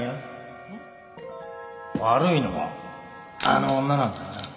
悪いのはあの女なんだから。